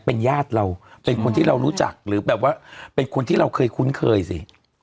เป็นญาติเราเป็นคนที่เรารู้จักหรือแบบว่าเป็นคนที่เราเคยคุ้นเคยสิ